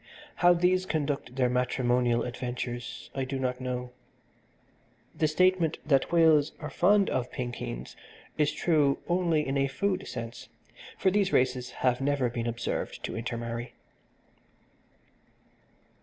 How these conduct their matrimonial adventures I do not know the statement that whales are fond of pinkeens is true only in a food sense, for these races have never been observed to intermarry.